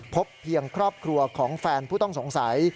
พบเพียงครอบครัวของแฟนผู้ต้องสงสัย